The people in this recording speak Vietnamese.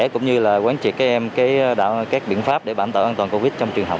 cũng như là quán triệt các em các biện pháp để bản tự an toàn covid trong trường học